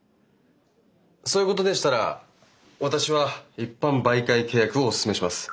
そういうことでしたら私は一般媒介契約をおすすめします。